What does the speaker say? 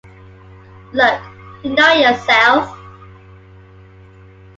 look , you know it yourself